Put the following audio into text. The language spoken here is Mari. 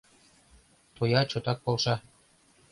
Тоя чотак полша.